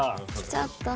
きちゃった。